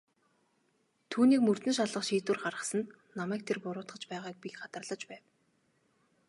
Түүнийг мөрдөн шалгах шийдвэр гаргасанд намайг тэр буруутгаж байгааг би гадарлаж байв.